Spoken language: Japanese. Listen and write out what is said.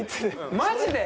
マジで？